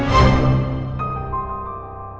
jawab yang jujur ya